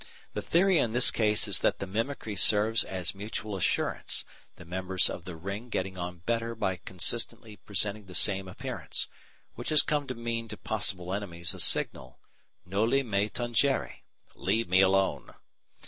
The theory in this case is that the mimicry serves as mutual assurance, the members of the ring getting on better by consistently presenting the same appearance, which has come to mean to possible enemies a signal, Noli me tangere ("Leave me alone").